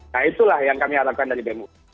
nah itulah yang kami harapkan dari bem ui